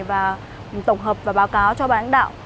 và tổng hợp và báo cáo cho ban lãnh đạo